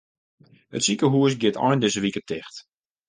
It sikehús giet ein dizze wike ticht.